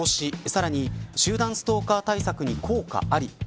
さらに集団ストーカー対策に効果あり。